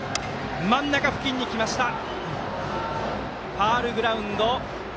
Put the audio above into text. ファウルグラウンド。